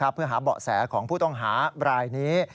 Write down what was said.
เพื่อหาเบาะแสของผู้ต้องหารายนี้